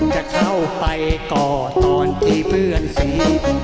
จะเข้าไปก่อนอนตีเพื่อนสี